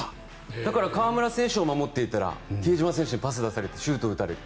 だから河村選手が守っていたら比江島選手にパスを出されてシュート打たれる。